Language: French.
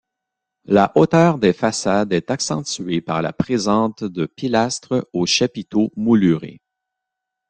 La hauteur des façades est accentuée par la présente de pilastres aux chapiteaux moulurés.